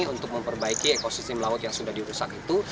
untuk memperbaiki ekosistem laut yang sudah dirusak itu